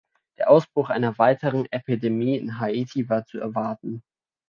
Der Ausbruch einer weiteren Epidemie in Haiti war zu erwarten.